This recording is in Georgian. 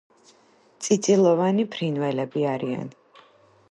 წიწილოვანი ფრინველები არიან.